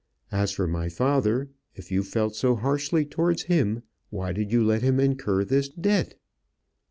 As for my father, if you felt so harshly towards him, why did you let him incur this debt?"